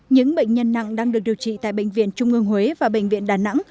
những bệnh nhân nặng đang được điều trị tại bệnh viện trung ương huế và bệnh viện đà nẵng